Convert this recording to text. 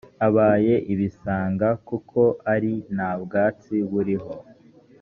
abaye ibisanga kuko ari nta bwatsi buriho